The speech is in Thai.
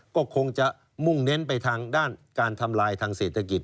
ก็คงจะมุ่งเน้นไปทางด้านการทำลายทางเศรษฐกิจ